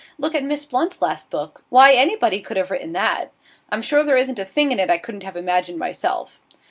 Look at Miss Blunt's last book; why, anybody could have written that. I'm sure there isn't a thing in it I couldn't have imagined myself.